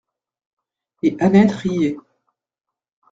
Et Annette riait.